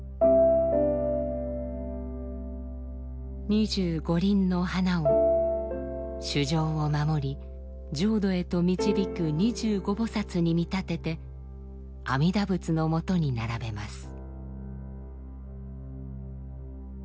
二十五輪の花を衆生を守り浄土へと導く二十五菩薩に見立てて阿弥陀仏のもとに並べます。